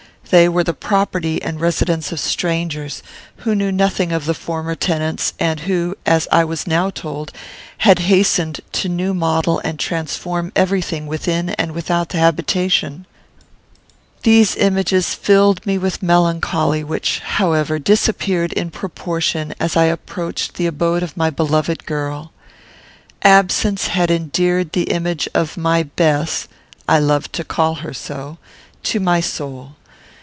They were the property and residence of strangers, who knew nothing of the former tenants, and who, as I was now told, had hastened to new model and transform every thing within and without the habitation. These images filled me with melancholy, which, however, disappeared in proportion as I approached the abode of my beloved girl. Absence had endeared the image of my Bess I loved to call her so to my soul.